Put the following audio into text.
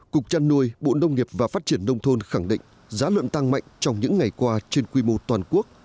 cục trăn nuôi bộ nông nghiệp và phát triển nông thôn khẳng định giá lợn tăng mạnh trong những ngày qua trên quy mô toàn quốc